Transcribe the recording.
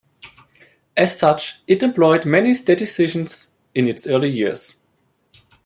As such, it employed many statisticians in its early years.